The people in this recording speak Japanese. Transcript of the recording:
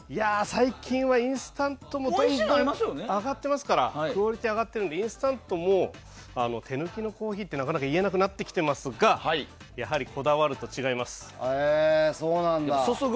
最近はインスタントもクオリティーが上がっているのでインスタントも手抜きのコーヒーとなかなか言えなくなってきてますがやはりこだわると違います。